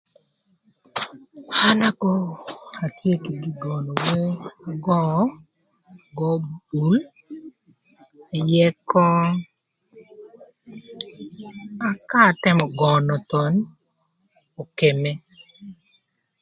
An agöö atye kï gin göönö wer, agöö bul, ayëkö ëka atëmö göönö thon ökëmë.